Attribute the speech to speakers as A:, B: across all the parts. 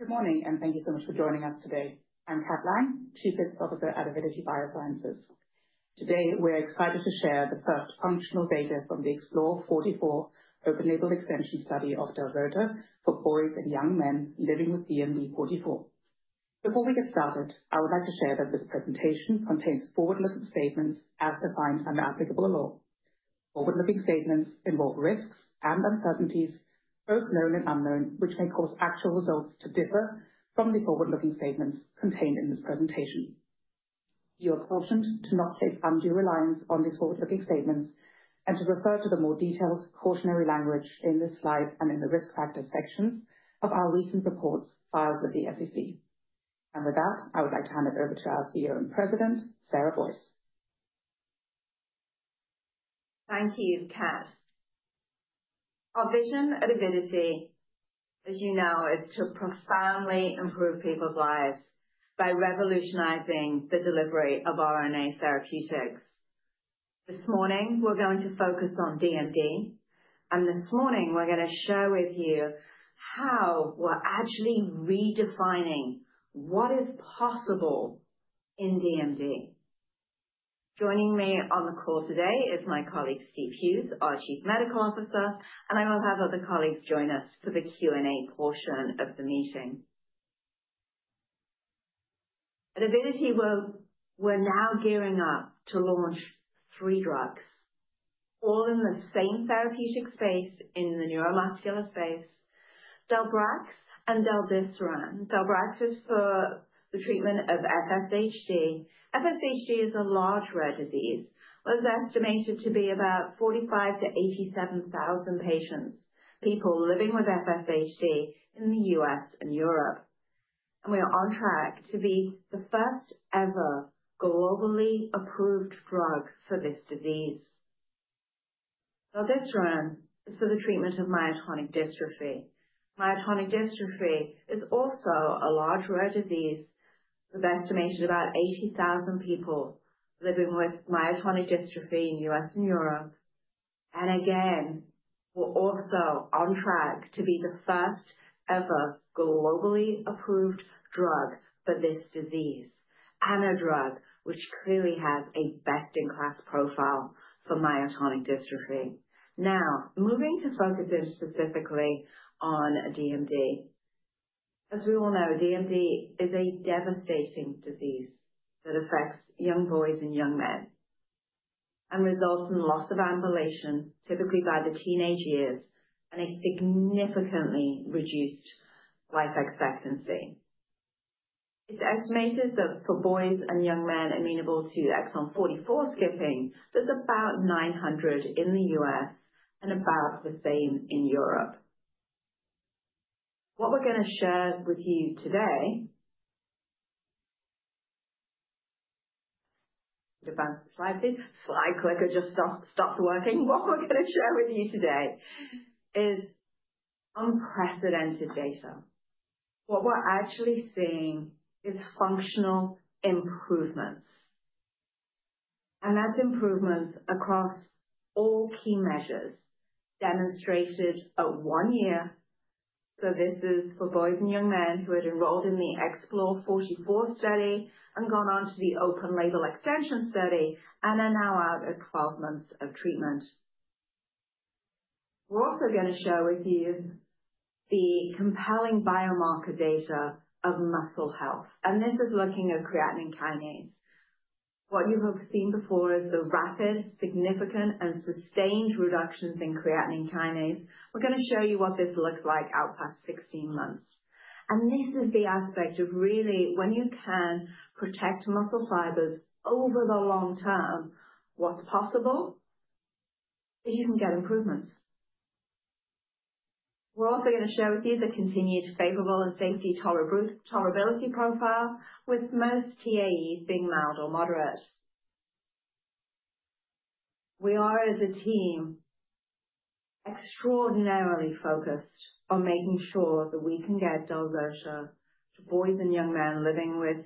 A: Good morning, and thank you so much for joining us today. I'm Kate Lang, Chief Commercial Officer at Avidity Biosciences. Today, we're excited to share the first functional data from the EXPLORE44 open-label extension study of delpacibart zotadirsen for boys and young men living with DMD exon 44. Before we get started, I would like to share that this presentation contains forward-looking statements as defined under applicable law. Forward-looking statements involve risks and uncertainties, both known and unknown, which may cause actual results to differ from the forward-looking statements contained in this presentation. You are cautioned to not take undue reliance on these forward-looking statements and to refer to the more detailed cautionary language in this slide and in the risk factor sections of our recent reports filed with the SEC. With that, I would like to hand it over to our CEO and President, Sarah Boyce.
B: Thank you, Kat. Our vision at Avidity, as you know, is to profoundly improve people's lives by revolutionizing the delivery of RNA therapeutics. This morning, we're going to focus on DMD, and this morning, we're going to share with you how we're actually redefining what is possible in DMD. Joining me on the call today is my colleague, Stephen Hughes, our Chief Medical Officer, and I will have other colleagues join us for the Q&A portion of the meeting. At Avidity, we're now gearing up to launch three drugs, all in the same therapeutic space, in the neuromuscular space: delpacibart braxlosiran and delpacibart etedesiran. Delpacibart braxlosiran is for the treatment of FSHD. FSHD is a large rare disease. It was estimated to be about 45,000-87,000 patients, people living with FSHD in the U.S. and Europe, and we are on track to be the first ever globally approved drug for this disease. Etedesiran is for the treatment of myotonic dystrophy. Myotonic dystrophy is also a large rare disease with an estimated about 80,000 people living with myotonic dystrophy in the U.S. and Europe. And again, we're also on track to be the first ever globally approved drug for this disease, and a drug which clearly has a best-in-class profile for myotonic dystrophy. Now, moving to focus in specifically on DMD. As we all know, DMD is a devastating disease that affects young boys and young men and results in loss of ambulation, typically by the teenage years, and a significantly reduced life expectancy. It's estimated that for boys and young men amenable to exon 44 skipping, there's about 900 in the U.S. and about the same in Europe. What we're going to share with you today. Move back the slide, please. Slide clicker just stopped working. What we're going to share with you today is unprecedented data. What we're actually seeing is functional improvements, and that's improvements across all key measures demonstrated at one year, so this is for boys and young men who had enrolled in the EXPLORE44 study and gone on to the open-label extension study and are now out at 12 months of treatment. We're also going to share with you the compelling biomarker data of muscle health, and this is looking at creatine kinase. What you have seen before is the rapid, significant, and sustained reductions in creatine kinase. We're going to show you what this looks like out past 16 months, and this is the aspect of really when you can protect muscle fibers over the long term, what's possible, if you can get improvements. We're also going to share with you the continued favorable safety and tolerability profile, with most TEAEs being mild or moderate. We are, as a team, extraordinarily focused on making sure that we can get delpacibart zotadirsen to boys and young men living with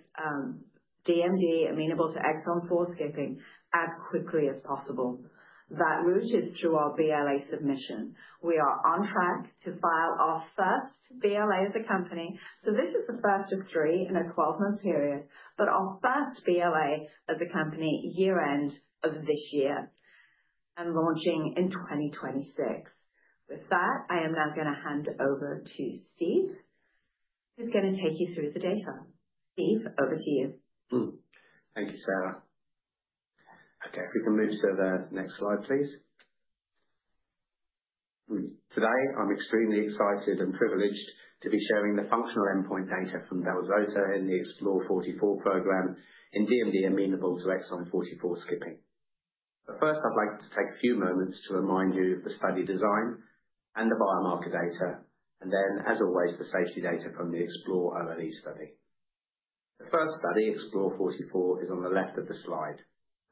B: DMD amenable to exon 44 skipping as quickly as possible. That route is through our BLA submission. We are on track to file our first BLA as a company. So this is the first of three in a 12-month period, but our first BLA as a company year-end of this year and launching in 2026. With that, I am now going to hand over to Steve, who's going to take you through the data. Steve, over to you.
C: Thank you, Sarah. Okay, if we can move to the next slide, please. Today, I'm extremely excited and privileged to be sharing the functional endpoint data from delpacibart zotadirsen in the EXPLORE44 program in DMD amenable to exon 44 skipping. But first, I'd like to take a few moments to remind you of the study design and the biomarker data, and then, as always, the safety data from the EXPLORE-OLE study. The first study, EXPLORE44, is on the left of the slide.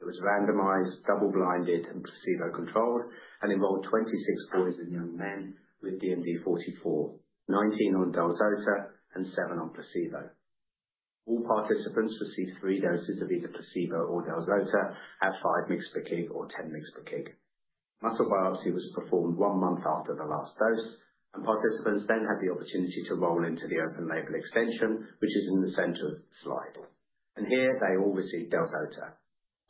C: It was randomized, double-blinded, and placebo-controlled, and involved 26 boys and young men with DMD exon 44, 19 on delpacibart zotadirsen, and 7 on placebo. All participants received three doses of either placebo or delpacibart zotadirsen at 5 mg/kg or 10 mg/kg. Muscle biopsy was performed one month after the last dose, and participants then had the opportunity to roll into the open-label extension, which is in the center of the slide. Here, they all received delpacibart zotadirsen.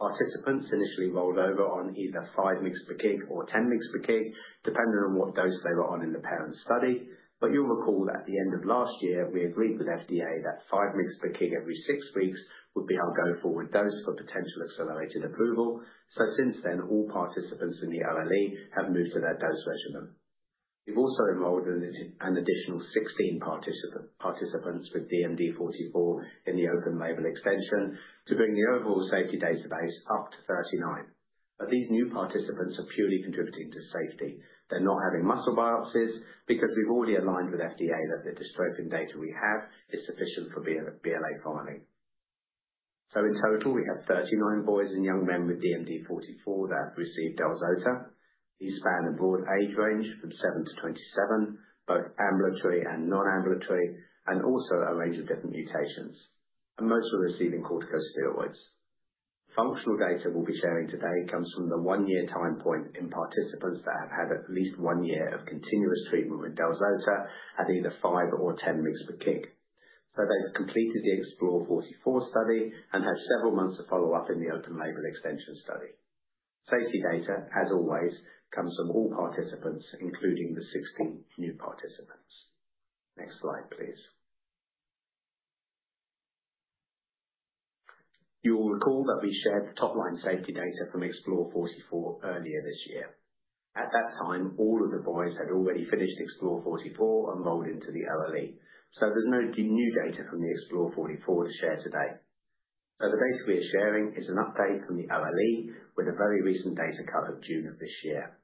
C: Participants initially rolled over on either 5 mg/kg or 10 mg/kg, depending on what dose they were on in the parent study. You'll recall that at the end of last year, we agreed with FDA that 5 mg/kg every six weeks would be our go-forward dose for potential accelerated approval. Since then, all participants in the OLE have moved to their dose regimen. We've also enrolled an additional 16 participants with DMD exon 44 in the open-label extension to bring the overall safety database up to 39. These new participants are purely contributing to safety. They're not having muscle biopsies because we've already aligned with FDA that the dystrophin data we have is sufficient for BLA filing. So in total, we have 39 boys and young men with DMD-44 that have received delpacibart zotadirsen. These span a broad age range from seven to 27, both ambulatory and non-ambulatory, and also a range of different mutations, and most are receiving corticosteroids. Functional data we'll be sharing today comes from the one-year time point in participants that have had at least one year of continuous treatment with delpacibart zotadirsen at either five or 10 mg/kg. So they've completed the EXPLORE44 study and have several months of follow-up in the open-label extension study. Safety data, as always, comes from all participants, including the 16 new participants. Next slide, please. You'll recall that we shared the top-line safety data from EXPLORE44 earlier this year. At that time, all of the boys had already finished EXPLORE44 and rolled into the OLE. So there's no new data from the EXPLORE44 to share today. So the data we are sharing is an update from the OLE with a very recent data cut of June of this year.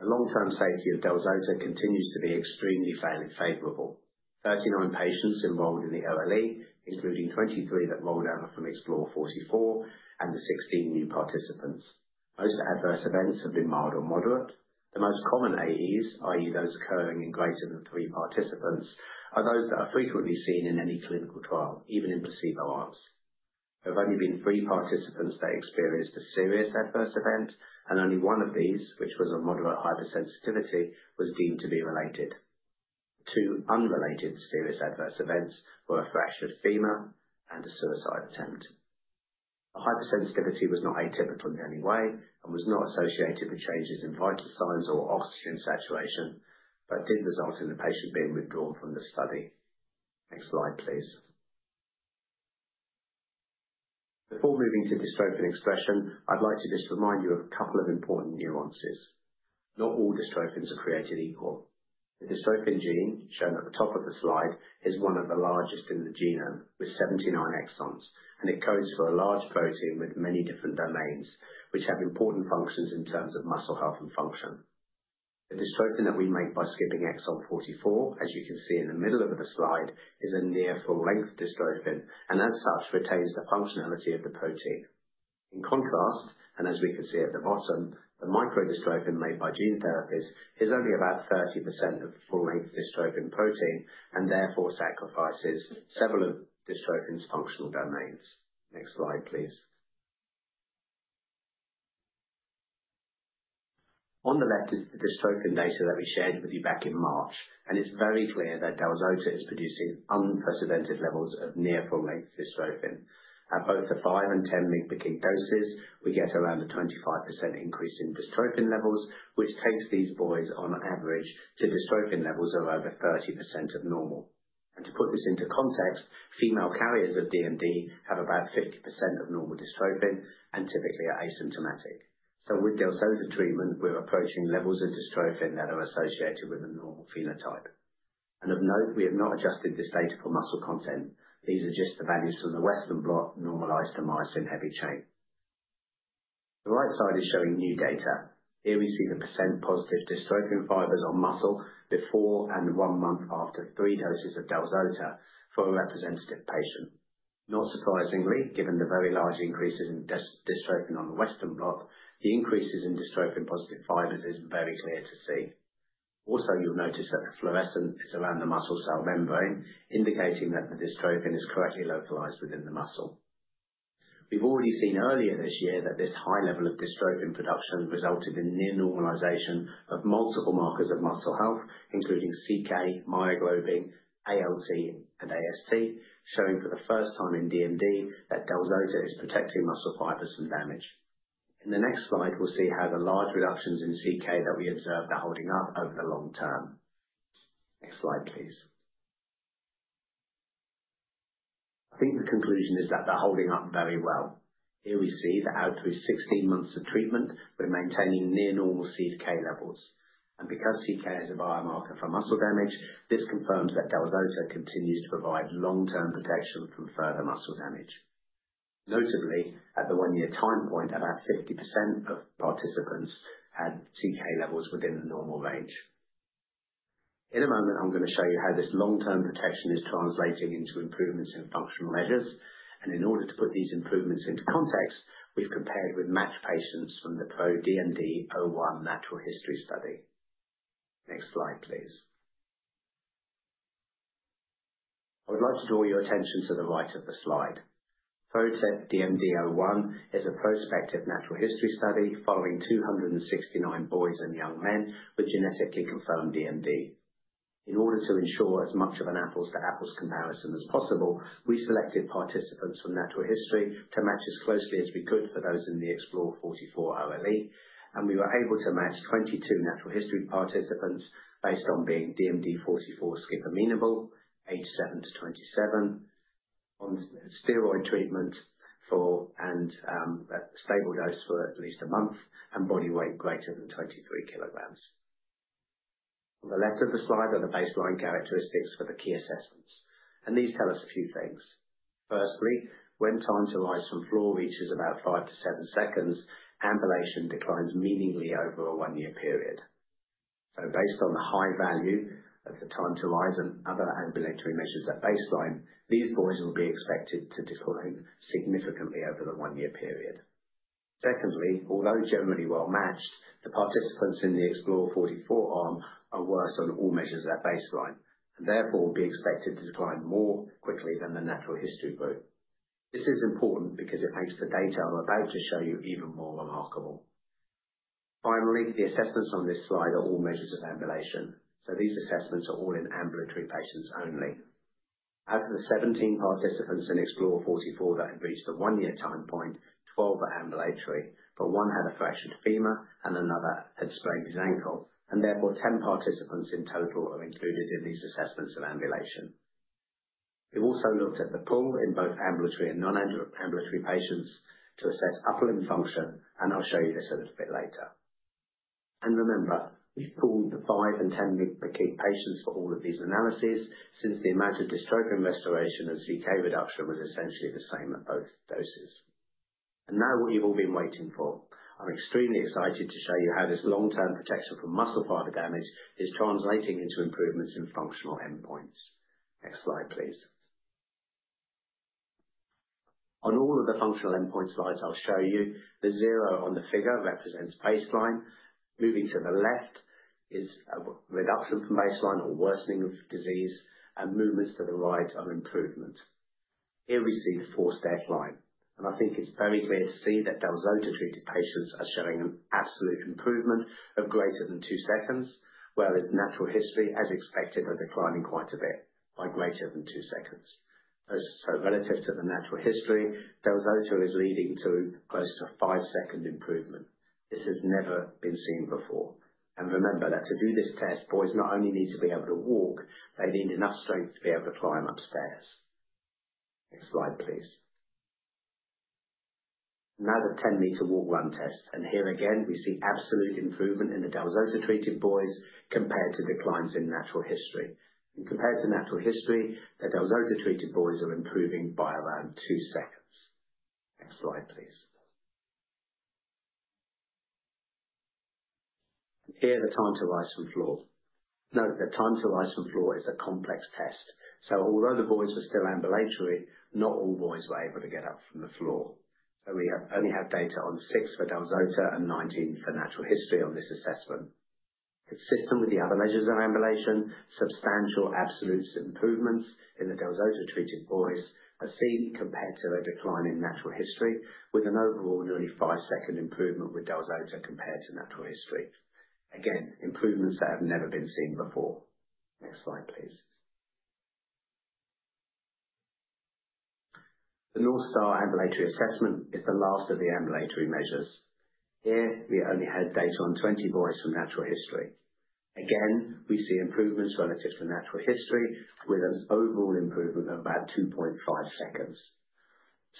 C: The long-term safety of delpacibart zotadirsen continues to be extremely favorable. 39 patients enrolled in the OLE, including 23 that rolled over from EXPLORE44 and the 16 new participants. Most adverse events have been mild or moderate. The most common AEs, i.e., those occurring in greater than three participants, are those that are frequently seen in any clinical trial, even in placebo arms. There have only been three participants that experienced a serious adverse event, and only one of these, which was a moderate hypersensitivity, was deemed to be related. Two unrelated serious adverse events were a fractured femur and a suicide attempt. Hypersensitivity was not atypical in any way and was not associated with changes in vital signs or oxygen saturation, but did result in the patient being withdrawn from the study. Next slide, please. Before moving to dystrophin expression, I'd like to just remind you of a couple of important nuances. Not all dystrophins are created equal. The dystrophin gene, shown at the top of the slide, is one of the largest in the genome, with 79 exons, and it codes for a large protein with many different domains, which have important functions in terms of muscle health and function. The dystrophin that we make by skipping exon 44, as you can see in the middle of the slide, is a near full-length dystrophin and, as such, retains the functionality of the protein. In contrast, and as we can see at the bottom, the microdystrophin made by gene therapies is only about 30% of full-length dystrophin protein and therefore sacrifices several of dystrophin's functional domains. Next slide, please. On the left is the dystrophin data that we shared with you back in March, and it's very clear that del-zota is producing unprecedented levels of near full-length dystrophin. At both the five and 10 mg/kg doses, we get around a 25% increase in dystrophin levels, which takes these boys, on average, to dystrophin levels of over 30% of normal. To put this into context, female carriers of DMD have about 50% of normal dystrophin and typically are asymptomatic. With del-zota treatment, we're approaching levels of dystrophin that are associated with a normal phenotype. Of note, we have not adjusted this data for muscle content. These are just the values from the Western blot, normalized to myosin heavy chain. The right side is showing new data. Here we see the percent positive dystrophin fibers on muscle before and one month after three doses of delpacibart zotadirsen for a representative patient. Not surprisingly, given the very large increases in dystrophin on the Western blot, the increases in dystrophin-positive fibers are very clear to see. Also, you'll notice that the fluorescence is around the muscle cell membrane, indicating that the dystrophin is correctly localized within the muscle. We've already seen earlier this year that this high level of dystrophin production resulted in near normalization of multiple markers of muscle health, including CK, myoglobin, ALT, and AST, showing for the first time in DMD that delpacibart zotadirsen is protecting muscle fibers from damage. In the next slide, we'll see how the large reductions in CK that we observed are holding up over the long term. Next slide, please. I think the conclusion is that they're holding up very well. Here we see that out through 16 months of treatment, we're maintaining near normal CK levels. And because CK is a biomarker for muscle damage, this confirms that delpacibart zotadirsen continues to provide long-term protection from further muscle damage. Notably, at the one-year time point, about 50% of participants had CK levels within the normal range. In a moment, I'm going to show you how this long-term protection is translating into improvements in functional measures. And in order to put these improvements into context, we've compared with matched patients from the PRO-DMD-01 natural history study. Next slide, please. I would like to draw your attention to the right of the slide. PRO-DMD-01 is a prospective natural history study following 269 boys and young men with genetically confirmed DMD. In order to ensure as much of an apples-to-apples comparison as possible, we selected participants from natural history to match as closely as we could for those in the EXPLORE44 OLE. We were able to match 22 natural history participants based on being DMD 44 skip amenable, age seven to 27, on steroid treatment and a stable dose for at least a month, and body weight greater than 23 kilograms. On the left of the slide are the baseline characteristics for the key assessments. These tell us a few things. Time to Rise from floor reaches about five to seven seconds, ambulation declines meaningfully over a one-year period. Based on the high value of the Time to Rise and other ambulatory measures at baseline, these boys will be expected to decline significantly over the one-year period. Secondly, although generally well matched, the participants in the EXPLORE44 arm are worse on all measures at baseline and therefore will be expected to decline more quickly than the natural history group. This is important because it makes the data I'm about to show you even more remarkable. Finally, the assessments on this slide are all measures of ambulation. These assessments are all in ambulatory patients only. Out of the 17 participants in EXPLORE44 that had reached the one-year time point, 12 were ambulatory, but one had a fractured femur and another had sprained his ankle. Therefore, 10 participants in total are included in these assessments of ambulation. We've also looked at the pool in both ambulatory and non-ambulatory patients to assess upper limb function, and I'll show you this a little bit later. And remember, we've pooled the five and 10 mg/kg patients for all of these analyses since the amount of dystrophin restoration and CK reduction was essentially the same at both doses. And now what you've all been waiting for. I'm extremely excited to show you how this long-term protection from muscle fiber damage is translating into improvements in functional endpoints. Next slide, please. On all of the functional endpoint slides I'll show you, the zero on the figure represents baseline. Moving to the left is a reduction from baseline or worsening of disease, and movements to the right are improvement. Here we see the Four-Stair Climb. And I think it's very clear to see that delpacibart zotadirsen-treated patients are showing an absolute improvement of greater than two seconds, whereas natural history, as expected, are declining quite a bit by greater than two seconds. So relative to the natural history, delpacibart zotadirsen is leading to close to a five-second improvement. This has never been seen before. And remember that to do this test, boys not only need to be able to walk, they need enough strength to be able to climb upstairs. Next slide, please. Now the 10-Meter Walk/Run Test. And here again, we see absolute improvement in the delpacibart zotadirsen-treated boys compared to declines in natural history. And compared to natural history, the delpacibart zotadirsen-treated boys are improving by around two seconds. Next slide, please. Here Time to Rise from floor is a complex test. Although the boys were still ambulatory, not all boys were able to get up from the floor. So we only have data on six for delpacibart zotadirsen and 19 for natural history on this assessment. Consistent with the other measures of ambulation, substantial absolute improvements in the delpacibart zotadirsen-treated boys are seen compared to a decline in natural history, with an overall nearly five-second improvement with delpacibart zotadirsen compared to natural history. Again, improvements that have never been seen before. Next slide, please. The North Star Ambulatory Assessment is the last of the ambulatory measures. Here, we only had data on 20 boys from natural history. Again, we see improvements relative to natural history, with an overall improvement of about 2.5 seconds.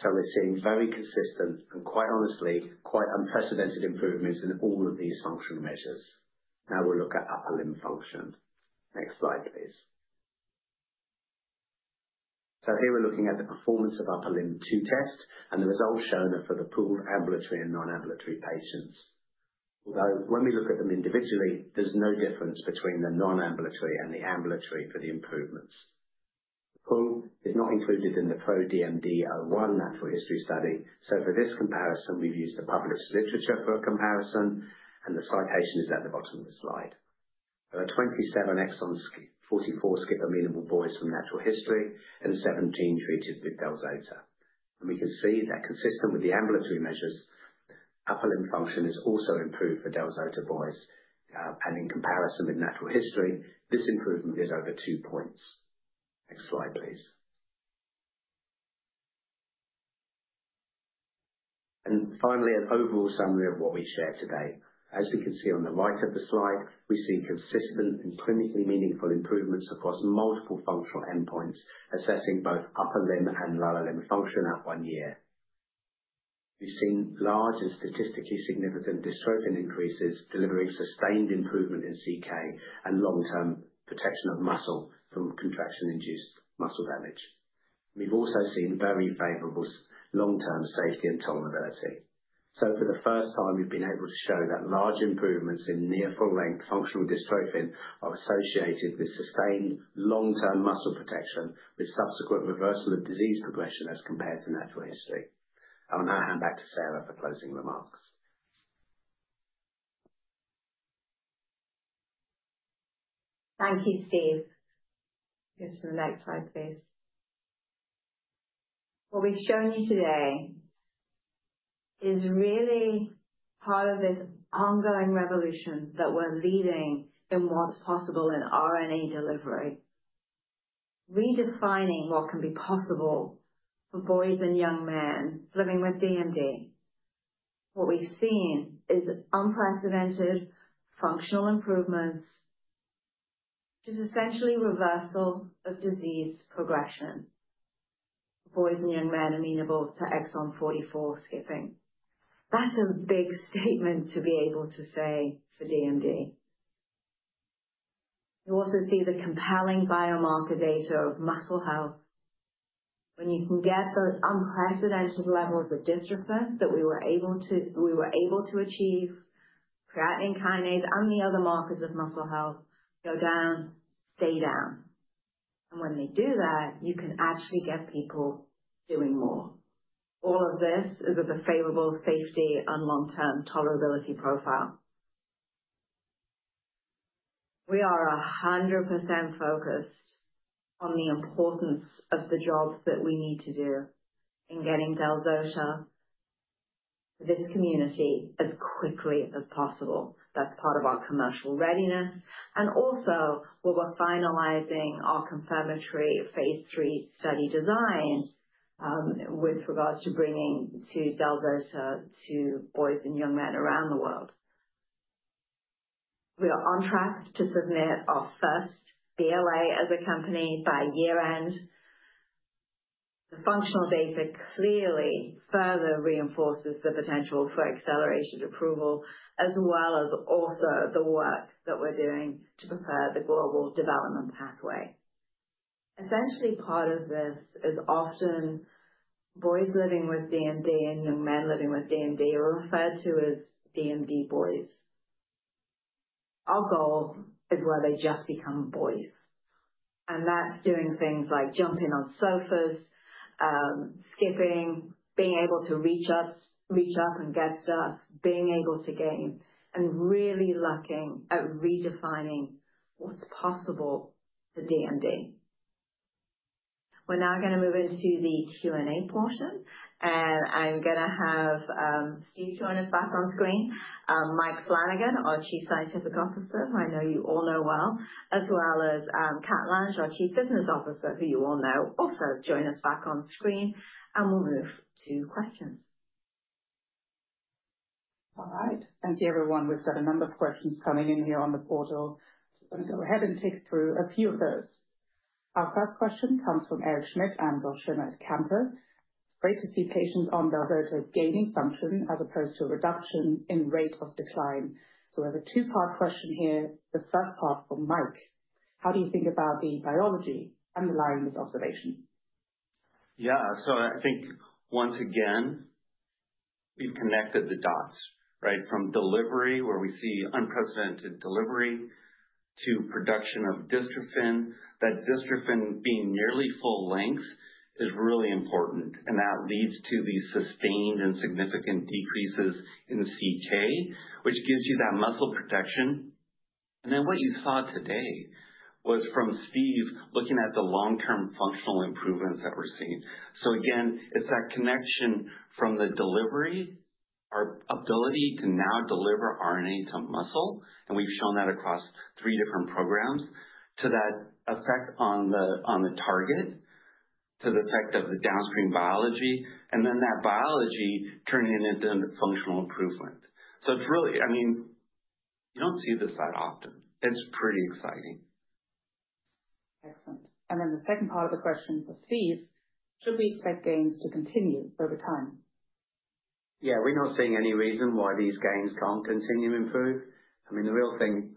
C: So we're seeing very consistent and, quite honestly, quite unprecedented improvements in all of these functional measures. Now we'll look at upper limb function. Next slide, please. Here we're looking at the Performance of Upper Limb 2.0 tests, and the results shown are for the pooled ambulatory and non-ambulatory patients. Although when we look at them individually, there's no difference between the non-ambulatory and the ambulatory for the improvements. The pool is not included in the PRO-DMD-01 natural history study. For this comparison, we've used the published literature for a comparison, and the citation is at the bottom of the slide. There are 27 exon 44 skip amenable boys from natural history and 17 treated with delpacibart zotadirsen. We can see that consistent with the ambulatory measures, upper limb function is also improved for delpacibart zotadirsen boys. In comparison with natural history, this improvement is over two points. Next slide, please. Finally, an overall summary of what we shared today. As we can see on the right of the slide, we see consistent and clinically meaningful improvements across multiple functional endpoints, assessing both upper limb and lower limb function at one year. We've seen large and statistically significant dystrophin increases, delivering sustained improvement in CK and long-term protection of muscle from contraction-induced muscle damage. We've also seen very favorable long-term safety and tolerability. So for the first time, we've been able to show that large improvements in near full-length functional dystrophin are associated with sustained long-term muscle protection with subsequent reversal of disease progression as compared to natural history. I'll now hand back to Sarah for closing remarks.
B: Thank you, Steve. Go to the next slide, please. What we've shown you today is really part of this ongoing revolution that we're leading in what's possible in RNA delivery. Redefining what can be possible for boys and young men living with DMD. What we've seen is unprecedented functional improvements, which is essentially reversal of disease progression. Boys and young men amenable to exon 44 skipping. That's a big statement to be able to say for DMD. You also see the compelling biomarker data of muscle health. When you can get the unprecedented levels of dystrophin that we were able to achieve, creatine kinase and the other markers of muscle health go down, stay down. And when they do that, you can actually get people doing more. All of this is at the favorable safety and long-term tolerability profile. We are 100% focused on the importance of the jobs that we need to do in getting delpacibart zotadirsen to this community as quickly as possible. That's part of our commercial readiness. We're finalizing our confirmatory Phase 3 study design with regards to bringing delpacibart zotadirsen to boys and young men around the world. We are on track to submit our first BLA as a company by year-end. The functional data clearly further reinforces the potential for accelerated approval, as well as also the work that we're doing to prepare the global development pathway. Essentially, part of this is often boys living with DMD and young men living with DMD are referred to as DMD boys. Our goal is where they just become boys. And that's doing things like jumping on sofas, skipping, being able to reach up and get stuff, being able to game, and really looking at redefining what's possible for DMD. We're now going to move into the Q&A portion. I'm going to have Steve join us back on screen, Michael Flanagan, our Chief Scientific Officer, who I know you all know well, as well as Kate Lange, our Chief Commercial Officer, who you all know. Also join us back on screen, and we'll move to questions.
A: All right. Thank you, everyone. We've got a number of questions coming in here on the portal. I'm going to go ahead and take through a few of those. Our first question comes from Eric Schmidt and Josh Schimmer. It's great to see patients on delpacibart zotadirsen gaining function as opposed to a reduction in rate of decline. So we have a two-part question here. The first part from Mike. How do you think about the biology underlying this observation?
D: Yeah. So I think, once again, we've connected the dots, right, from delivery, where we see unprecedented delivery, to production of dystrophin. That dystrophin being nearly full length is really important. And that leads to these sustained and significant decreases in CK, which gives you that muscle protection. And then what you saw today was from Steve looking at the long-term functional improvements that we're seeing. So again, it's that connection from the delivery, our ability to now deliver RNA to muscle, and we've shown that across three different programs, to that effect on the target, to the effect of the downstream biology, and then that biology turning into functional improvement. So it's really, I mean, you don't see this that often. It's pretty exciting.
A: Excellent. And then the second part of the question for Steve, should we expect gains to continue over time?
C: Yeah. We're not seeing any reason why these gains can't continue to improve. I mean, the real thing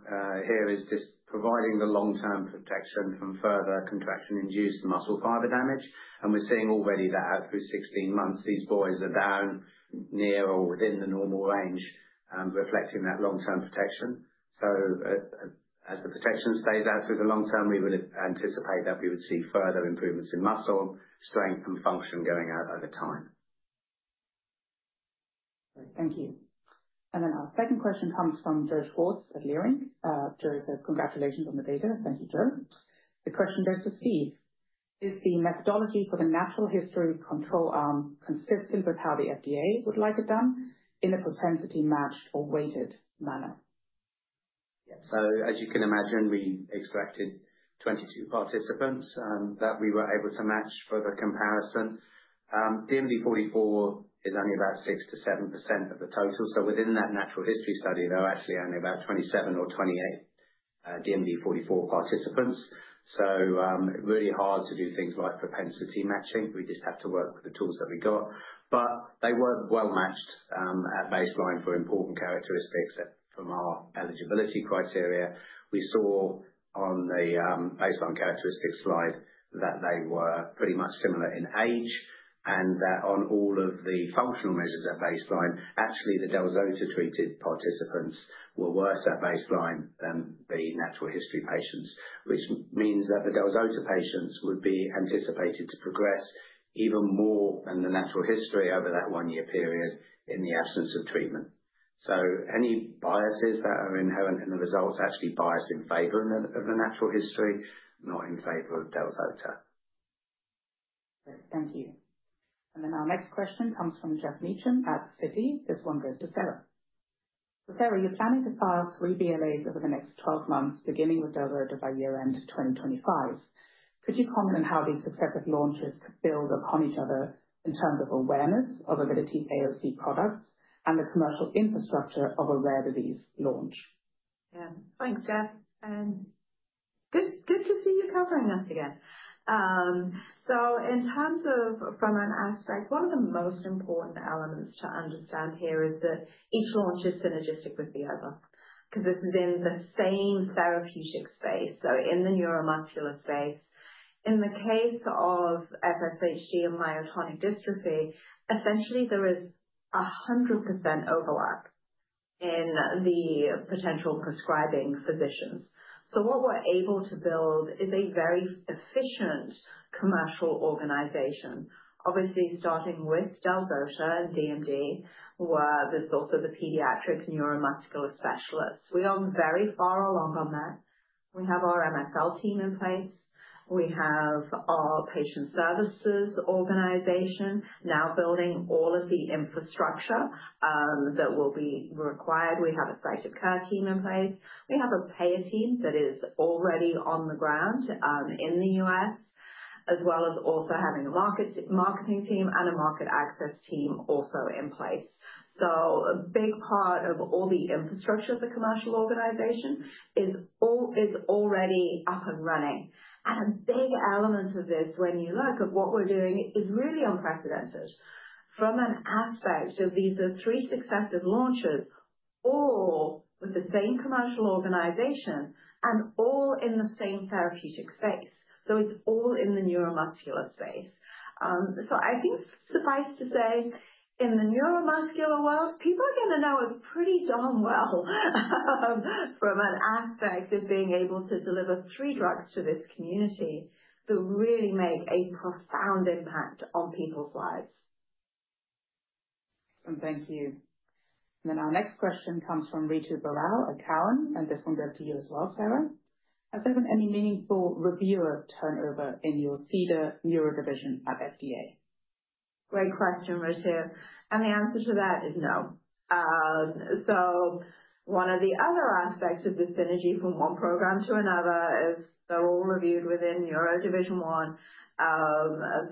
C: here is just providing the long-term protection from further contraction-induced muscle fiber damage. And we're seeing already that through 16 months, these boys are down near or within the normal range, reflecting that long-term protection. So as the protection stays out through the long term, we would anticipate that we would see further improvements in muscle strength and function going out over time.
A: Great. Thank you. And then our second question comes from Joseph Schwartz at Leerink. Joseph, congratulations on the data. Thank you, Joseph. The question goes to Steve. Is the methodology for the natural history control arm consistent with how the FDA would like it done in a propensity matched or weighted manner?
C: Yeah. So as you can imagine, we extracted 22 participants that we were able to match for the comparison. DMD 44 is only about 6%-7% of the total. Within that natural history study, there are actually only about 27 or 28 DMD 44 participants. Really hard to do things like propensity matching. We just have to work with the tools that we got. But they were well matched at baseline for important characteristics from our eligibility criteria. We saw on the baseline characteristic slide that they were pretty much similar in age. And that on all of the functional measures at baseline, actually, the delpacibart zotadirsen-treated participants were worse at baseline than the natural history patients, which means that the delpacibart zotadirsen patients would be anticipated to progress even more than the natural history over that one-year period in the absence of treatment. So any biases that are inherent in the results actually bias in favor of the natural history, not in favor of delpacibart zotadirsen.
A: Great. Thank you. Our next question comes from Geoff Meacham at Citi. This one goes to Sarah. So Sarah, you're planning to start three BLAs over the next 12 months, beginning with delpacibart zotadirsen by year-end 2025. Could you comment on how these successive launches could build upon each other in terms of awareness of Avidity AOC products and the commercial infrastructure of a rare disease launch?
B: Yeah. Thanks, Geoff. And good to see you covering us again. So in terms of from an aspect, one of the most important elements to understand here is that each launch is synergistic with the other because this is in the same therapeutic space, so in the neuromuscular space. In the case of FSHD and myotonic dystrophy, essentially, there is 100% overlap in the potential prescribing physicians. So what we're able to build is a very efficient commercial organization, obviously starting with delpacibart zotadirsen and DMD, where there's also the pediatric neuromuscular specialists. We are very far along on that. We have our MSL team in place. We have our patient services organization now building all of the infrastructure that will be required. We have a site-of-care team in place. We have a payer team that is already on the ground in the U.S., as well as also having a marketing team and a market access team also in place. So a big part of all the infrastructure of the commercial organization is already up and running. And a big element of this, when you look at what we're doing, is really unprecedented from an aspect of these are three successive launches all with the same commercial organization and all in the same therapeutic space. It's all in the neuromuscular space. I think suffice to say, in the neuromuscular world, people are going to know us pretty darn well from an aspect of being able to deliver three drugs to this community that really make a profound impact on people's lives.
A: Excellent. Thank you. Our next question comes from Ritu Baral at Cowen. This one goes to you as well, Sarah. Has there been any meaningful reviewer turnover in your CDER neurodivision at FDA?
B: Great question, Ritu. The answer to that is no. One of the other aspects of the synergy from one program to another is they're all reviewed within Neuro Division 1.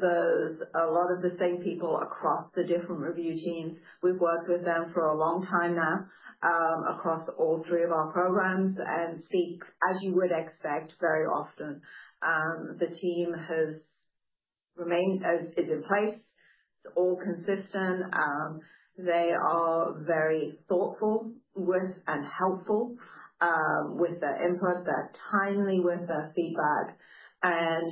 B: There's a lot of the same people across the different review teams. We've worked with them for a long time now across all three of our programs. We speak, as you would expect, very often. The team has remained in place. It's all consistent. They are very thoughtful and helpful with their input, they're timely with their feedback, and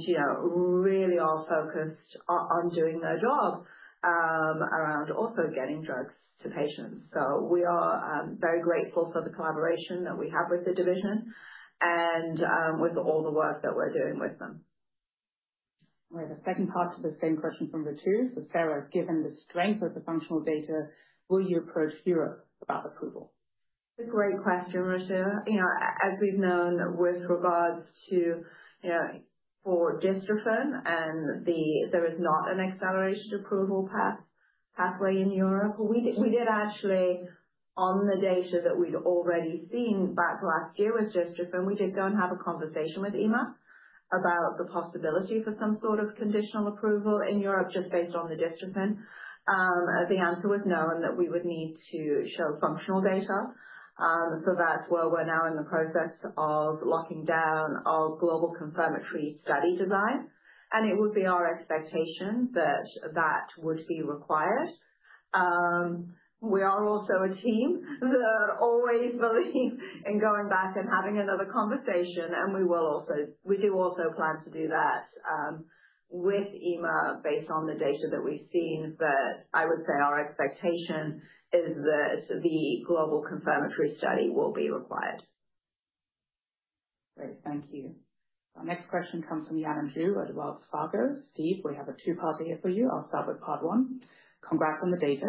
B: really are focused on doing their job around also getting drugs to patients. So we are very grateful for the collaboration that we have with the division and with all the work that we're doing with them.
A: And we have a second part to the same question from Ritu. So Sarah, given the strength of the functional data, will you approach Europe about approval?
B: It's a great question, Ritu. As we've known with regards to for dystrophin, there is not an accelerated approval pathway in Europe. We did actually, on the data that we'd already seen back last year with dystrophin, we did go and have a conversation with EMA about the possibility for some sort of conditional approval in Europe just based on the dystrophin. The answer was no, and that we would need to show functional data. So that's where we're now in the process of locking down our global confirmatory study design. And it would be our expectation that that would be required. We are also a team that always believes in going back and having another conversation. And we will also we do also plan to do that with EMA based on the data that we've seen. But I would say our expectation is that the global confirmatory study will be required.
A: Great. Thank you. Our next question comes from Yanan Zhu at Wells Fargo. Steve, we have a two-part here for you. I'll start with part one. Congrats on the data.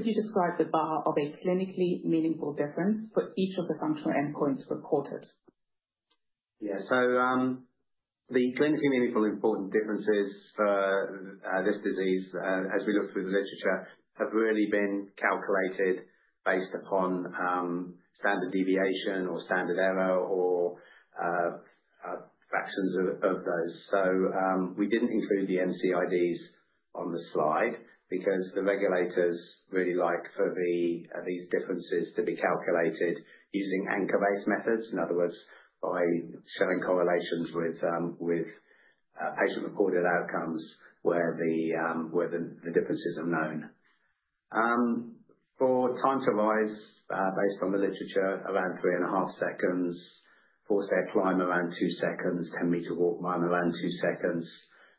A: Could you describe the bar of a clinically meaningful difference for each of the functional endpoints reported?
C: Yeah. So the clinically meaningful important differences for this disease, as we look through the literature, have really been calculated based upon standard deviation or standard error or fractions of those. So we didn't include the MCIDs on the slide because the regulators really like for these differences to be calculated using anchor-based methods. In other words, by showing correlations with patient-reported outcomes where the differences are known. For Time to Rise, based on the literature, around three and a half seconds. Four-stair climb around two seconds. 10-meter walk time around two seconds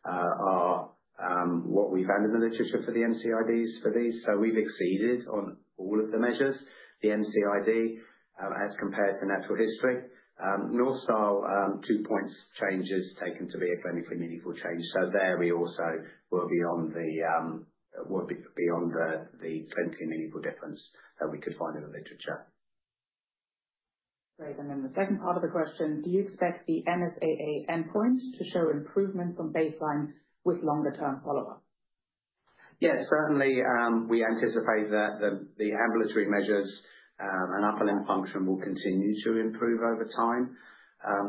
C: are what we found in the literature for the MCIDs for these. So we've exceeded on all of the measures, the MCID as compared to natural history. Star two-point change is taken to be a clinically meaningful change. So there we also will be. One would be beyond the clinically meaningful difference that we could find in the literature.
A: Great. And then the second part of the question, do you expect the NSAA endpoint to show improvements on baseline with longer-term follow-up?
C: Yeah. Certainly, we anticipate that the ambulatory measures and upper limb function will continue to improve over time.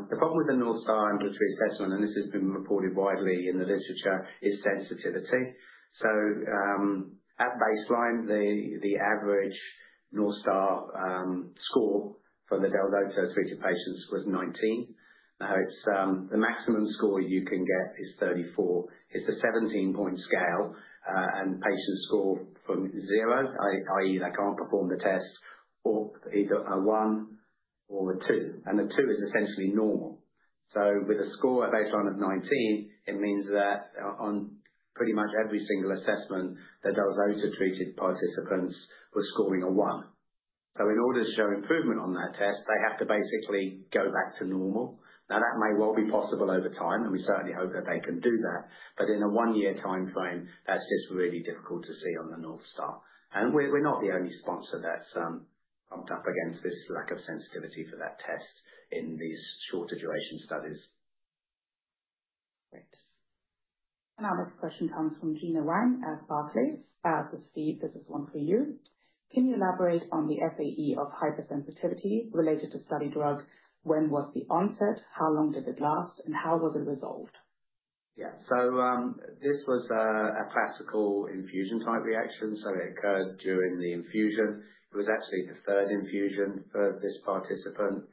C: The problem with the North Star ambulatory assessment, and this has been reported widely in the literature, is sensitivity. So at baseline, the average North Star score for the delpacibart zotadirsen-treated patients was 19. The maximum score you can get is 34. It's a 17-point scale. And patients score from zero, i.e., they can't perform the test, or either a one or a two. And a two is essentially normal. So with a score at baseline of 19, it means that on pretty much every single assessment, the delpacibart zotadirsen-treated participants were scoring a one. So in order to show improvement on that test, they have to basically go back to normal. Now, that may well be possible over time, and we certainly hope that they can do that. But in a one-year timeframe, that's just really difficult to see on the North Star. And we're not the only sponsor that's bumped up against this lack of sensitivity for that test in these shorter-duration studies.
A: Great. And our next question comes from Gena Wang at Barclays. This is Steve. This is one for you. Can you elaborate on the SAE of hypersensitivity related to study drug? When was the onset? How long did it last? And how was it resolved?
C: Yeah. So this was a classical infusion-type reaction. It occurred during the infusion. It was actually the third infusion for this participant.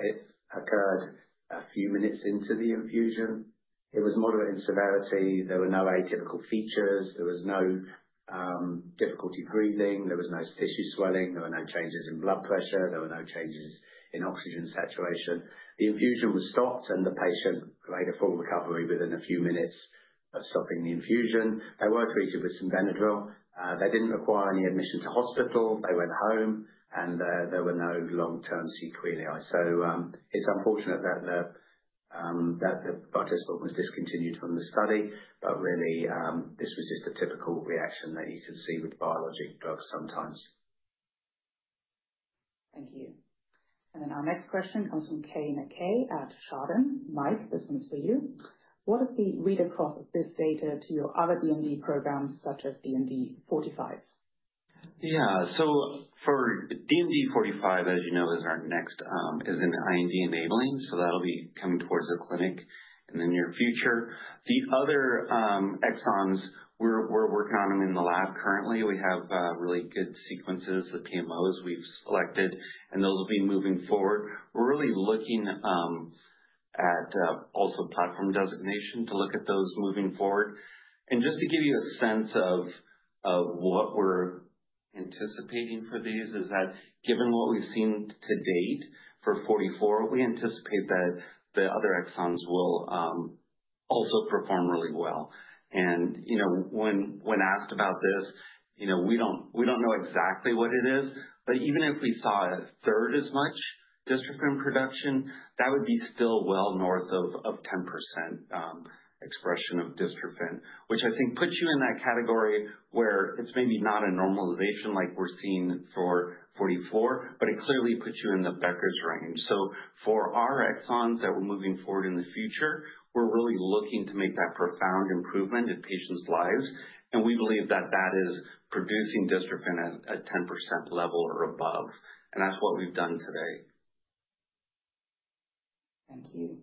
C: It occurred a few minutes into the infusion. It was moderate in severity. There were no atypical features. There was no difficulty breathing. There was no tissue swelling. There were no changes in blood pressure. There were no changes in oxygen saturation. The infusion was stopped, and the patient made a full recovery within a few minutes of stopping the infusion. They were treated with some Benadryl. They didn't require any admission to hospital. They went home, and there were no long-term sequelae. It's unfortunate that the participant was discontinued from the study, but really, this was just a typical reaction that you could see with biologic drugs sometimes.
A: Thank you, and then our next question comes from Keay Nakae at Chardan. Mike, this one's for you.
C: What is the read across of this data to your other DMD programs, such as DMD 45?
D: Yeah, so for DMD 45, as you know, is our next an IND enabling, so that'll be coming toward the clinic in the near future. The other exons we're working on them in the lab currently. We have really good sequences, the PMOs we've selected, and those will be moving forward. We're really looking at also platform designation to look at those moving forward, and just to give you a sense of what we're anticipating for these is that given what we've seen to date for 44, we anticipate that the other exons will also perform really well, and when asked about this, we don't know exactly what it is. But even if we saw a third as much dystrophin production, that would be still well north of 10% expression of dystrophin, which I think puts you in that category where it's maybe not a normalization like we're seeing for 44, but it clearly puts you in the Becker's range. So for our exons that we're moving forward in the future, we're really looking to make that profound improvement in patients' lives. And we believe that that is producing dystrophin at a 10% level or above. And that's what we've done today.
A: Thank you.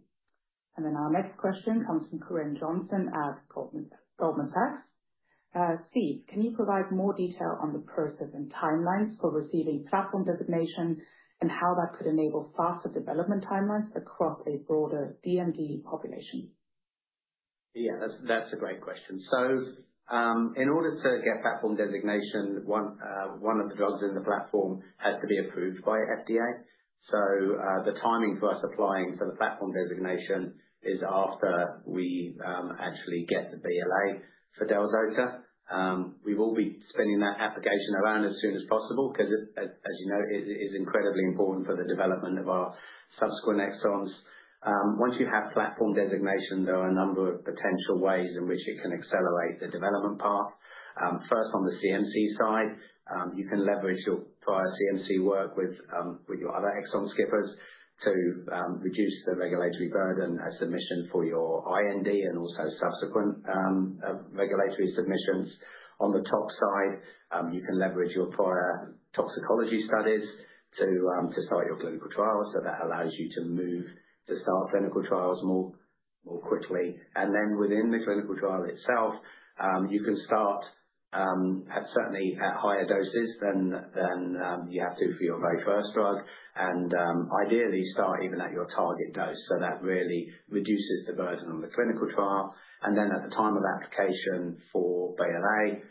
A: And then our next question comes from Corinne Jenkins at Goldman Sachs. Steve, can you provide more detail on the process and timelines for receiving platform designation and how that could enable faster development timelines across a broader DMD population?
C: Yeah, that's a great question. In order to get platform designation, one of the drugs in the platform has to be approved by FDA. The timing for us applying for the platform designation is after we actually get the BLA for del-zota. We will be submitting that application as soon as possible because, as you know, it is incredibly important for the development of our subsequent exons. Once you have platform designation, there are a number of potential ways in which it can accelerate the development path. First, on the CMC side, you can leverage your prior CMC work with your other exon skippers to reduce the regulatory burden of submission for your IND and also subsequent regulatory submissions. On the tox side, you can leverage your prior toxicology studies to start your clinical trial. That allows you to move to start clinical trials more quickly. And then within the clinical trial itself, you can start certainly at higher doses than you have to for your very first drug and ideally start even at your target dose. So that really reduces the burden on the clinical trial. And then at the time of application for BLA,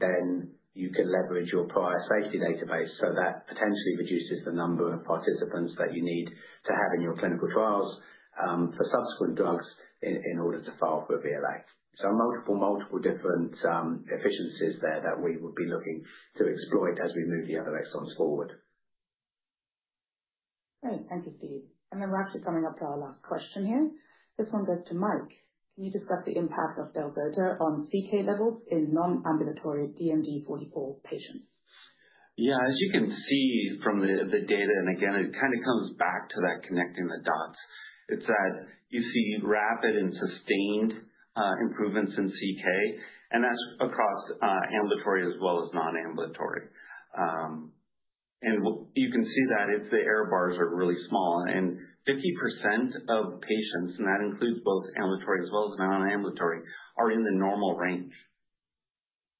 C: then you can leverage your prior safety database. So that potentially reduces the number of participants that you need to have in your clinical trials for subsequent drugs in order to file for a BLA. So multiple, multiple different efficiencies there that we would be looking to exploit as we move the other exons forward.
A: Great. Thank you, Steve. And then we're actually coming up to our last question here. This one goes to Mike. Can you discuss the impact of delpacibart zotadirsen on CK levels in non-ambulatory DMD 44 patients?
D: Yeah. As you can see from the data, and again, it kind of comes back to that connecting the dots, it's that you see rapid and sustained improvements in CK. And that's across ambulatory as well as non-ambulatory. And you can see that the error bars are really small. And 50% of patients, and that includes both ambulatory as well as non-ambulatory, are in the normal range.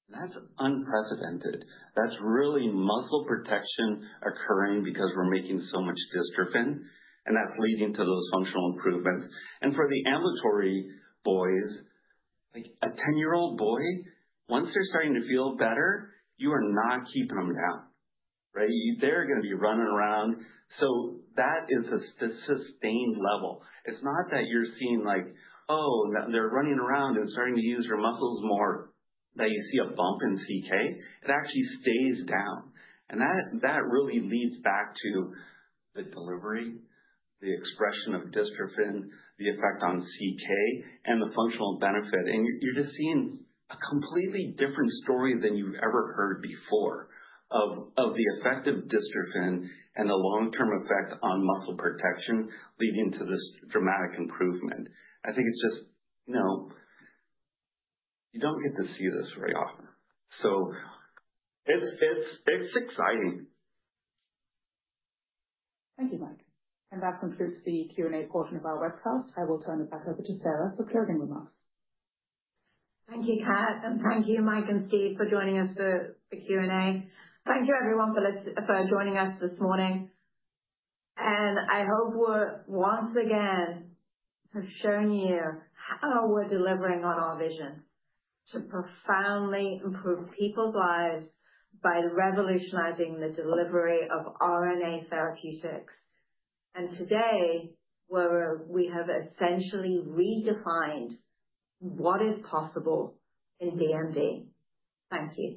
D: That's unprecedented. That's really muscle protection occurring because we're making so much dystrophin. And that's leading to those functional improvements. And for the ambulatory boys, like a 10-year-old boy, once they're starting to feel better, you are not keeping them down, right? They're going to be running around. So that is a sustained level. It's not that you're seeing like, "Oh, they're running around and starting to use their muscles more," that you see a bump in CK. It actually stays down. That really leads back to the delivery, the expression of dystrophin, the effect on CK, and the functional benefit. And you're just seeing a completely different story than you've ever heard before of the effect of dystrophin and the long-term effect on muscle protection leading to this dramatic improvement. I think it's just you don't get to see this very often. So it's exciting.
A: Thank you, Mike. And that concludes the Q&A portion of our webcast. I will turn it back over to Sarah for closing remarks.
B: Thank you, Kat. And thank you, Mike and Steve, for joining us for the Q&A. Thank you, everyone, for joining us this morning. And I hope we have once again shown you how we're delivering on our vision to profoundly improve people's lives by revolutionizing the delivery of RNA therapeutics. And today, we have essentially redefined what is possible in DMD. Thank you.